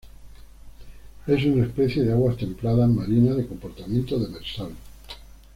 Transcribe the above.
Es una especie de aguas templadas marinas, de comportamiento demersal.